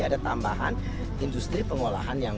ada tambahan industri pengolahan yang